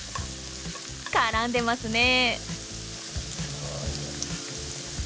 絡んでますね。